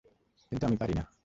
কিন্তু আমি পারি না!